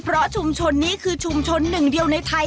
เพราะชุมชนนี้คือชุมชนหนึ่งเดียวในไทย